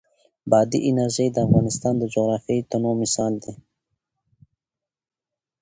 بادي انرژي د افغانستان د جغرافیوي تنوع مثال دی.